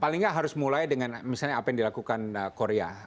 paling nggak harus mulai dengan misalnya apa yang dilakukan korea